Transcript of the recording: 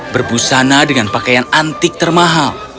berbusana dengan pakaian antik termahal